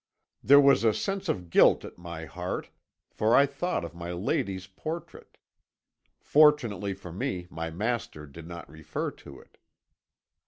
"There was a sense of guilt at my heart, for I thought of my lady's portrait. Fortunately for me my master did not refer to it.